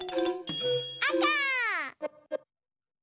あか！